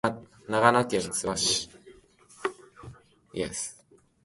長野県諏訪市